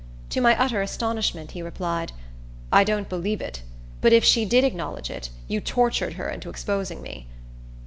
To my utter astonishment, he replied, "I don't believe it; but if she did acknowledge it, you tortured her into exposing me."